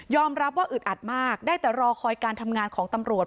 รับว่าอึดอัดมากได้แต่รอคอยการทำงานของตำรวจ